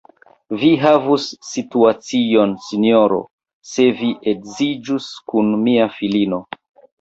Vi havus situacion, sinjoro, se vi edziĝus kun mia filino.